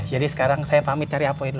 jadi sekarang saya pamit cari apoi dulu